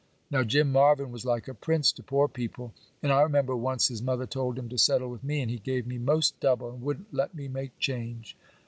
Now Jim Marvyn was like a prince to poor people; and I remember once his mother told him to settle with me, and he gave me 'most double, and wouldn't let me make change.